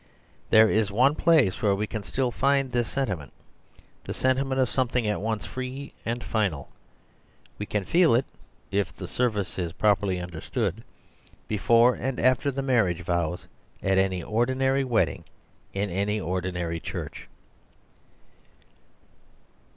There is one place where we can still find this senti ment; the sentiment of something at once free and final. We can feel it, if the service is properly understood, before and after the mar riage vows at any ordinary wedding in any ordinary church.